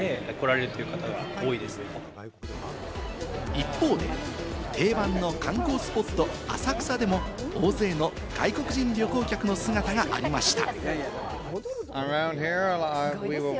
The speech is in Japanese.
一方で定番の観光スポット・浅草でも大勢の外国人旅行客の姿がありました。